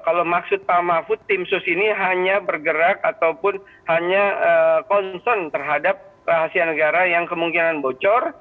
kalau maksud pak mahfud tim sus ini hanya bergerak ataupun hanya konson terhadap rahasia negara yang kemungkinan bocor